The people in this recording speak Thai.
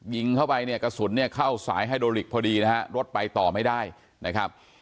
ยิงเข้าไปเนี่ยกระสุนเนี่ยเข้าสายไฮโดลิกพอดีนะฮะรถไปต่อไม่ได้นะครับ